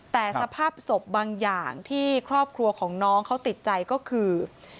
แต่สภาพศพบางอย่างที่ครอบครัวของน้องเขาติดใจก็คือ